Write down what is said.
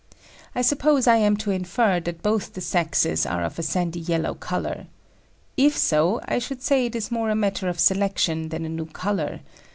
I suppose I am to infer that both the sexes are of sandy yellow colour. If so, I should say it is more a matter of selection than a new colour.